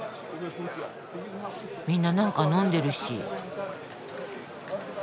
みんな何か飲んでるし。